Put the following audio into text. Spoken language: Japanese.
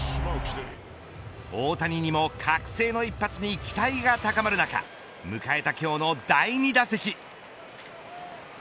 大谷にも覚醒の一発に期待が高まる中迎えた今日の第２打席。